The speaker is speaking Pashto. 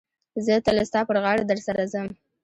زه تل ستا پر غاړه در سره ځم.